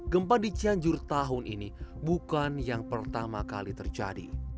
gempa di cianjur tahun ini bukan yang pertama kali terjadi